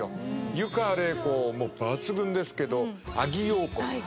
湯川れい子も抜群ですけど阿木燿子。